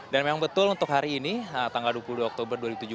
dan memang betul untuk hari ini tanggal dua puluh dua oktober dua ribu tujuh belas